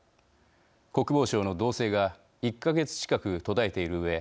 国防相の動静が１か月近く途絶えているうえ